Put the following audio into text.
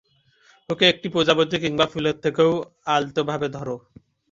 ওকে একটা প্রজাপতি কিংবা ফুলের থেকেও আলতোভাবে ধরো!